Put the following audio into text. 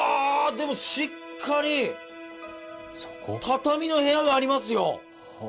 でもしっかり畳の部屋がありますよ。